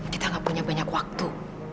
kita gak punya banyak waktu